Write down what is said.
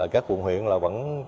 các quận huyện vẫn tự nhiên